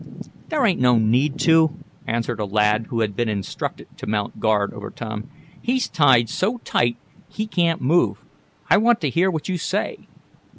"There ain't no need to," answered a lad who had been instructed to mount guard over Tom. "He's tied so tight he can't move. I want to hear what you say."